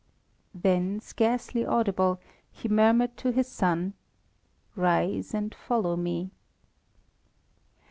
Then, scarcely audible, he murmured to his son: "Rise and follow me."